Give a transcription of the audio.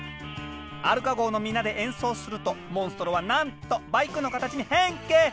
アルカ号の皆で演奏するとモンストロはなんとバイクの形に変形！